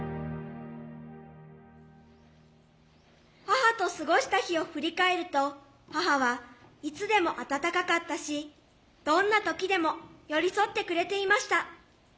母と過ごした日を振り返ると母はいつでも温かかったしどんな時でも寄り添ってくれていました。